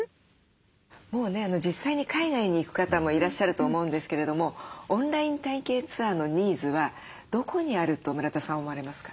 もうね実際に海外に行く方もいらっしゃると思うんですけれどもオンライン体験ツアーのニーズはどこにあると村田さん思われますか？